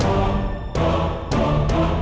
makanya aku sudah kuat